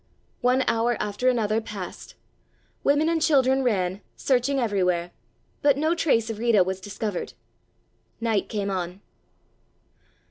One hour after another passed. Women and children ran, searching everywhere, but no trace of Rita was discovered. Night came on.